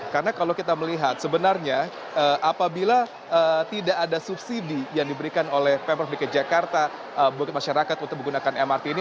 karena kalau kita melihat sebenarnya apabila tidak ada subsidi yang diberikan oleh pmbok dki jakarta bagi masyarakat untuk menggunakan mrt ini